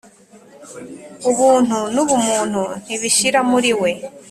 Ubuntu nubumuntu ntibishira muri we